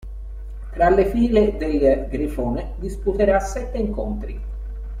Tra le file del "grifone" disputerà sette incontri.